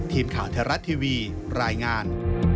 ทีมขาวธรรรยาตร์ทีวีรายงาน